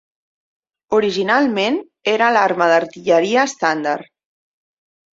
Originalment, era l'arma d'artilleria estàndard.